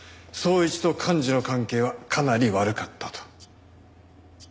一と寛二の関係はかなり悪かったと。